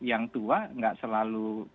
yang tua gak selalu progresif